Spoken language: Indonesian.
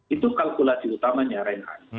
itu kalkulasi utamanya renan